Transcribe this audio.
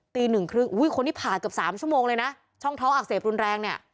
ตี๑๓๐คนที่ผ่านกับ๓ชั่วโมงเลยนะช่องเท้าอักเสบรุนแรงเนี่ย